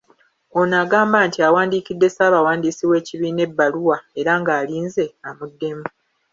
Ono agamba nti awandiikidde Ssaabawandiisi w'ekibiina ebbaluwa era ng'alinze amuddemu